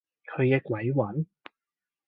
佢嘅鬼魂？